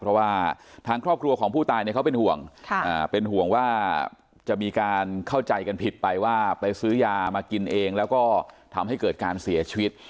เพราะว่าทางครอบครัวของผู้ตายเนี่ยเขาเป็นห่วงเป็นห่วงว่าจะมีการเข้าใจกันผิดไปว่าไปซื้อยามากินเองแล้วก็ทำให้เกิดการเสียชีวิต